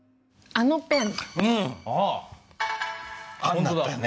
あのペン？